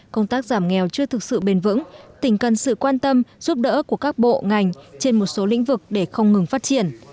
công tác giảm nghèo chưa thực sự bền vững tỉnh cần sự quan tâm giúp đỡ của các bộ ngành trên một số lĩnh vực để không ngừng phát triển